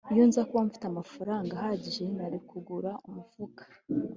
Iyo nza kuba mfite amafaranga ahagije nari kugura umufuka